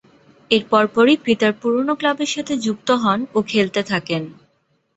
এর পরপরই পিতার পুরনো ক্লাবের সাথে যুক্ত হন ও খেলতে থাকেন।